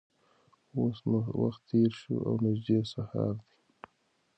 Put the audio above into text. اوس نو وخت تېر شوی او نږدې سهار دی.